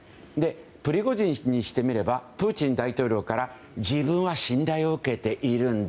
プリゴジン氏にしてみればプーチン大統領から自分は信頼を受けているんだ。